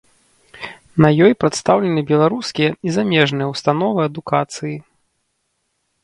На ёй прадстаўлены беларускія і замежныя ўстановы адукацыі.